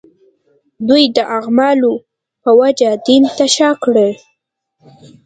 دوی د اعمالو په وجه دین ته شا کړي.